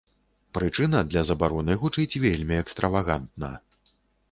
Прычына для забароны гучыць вельмі экстравагантна.